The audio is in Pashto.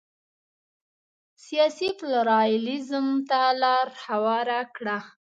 سیاسي پلورالېزم ته لار هواره کړه.